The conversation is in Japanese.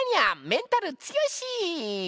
メンタル強し！